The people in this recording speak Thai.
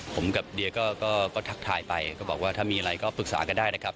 ผมกับเดียก็ทักทายไปก็บอกว่าถ้ามีอะไรก็ปรึกษากันได้นะครับ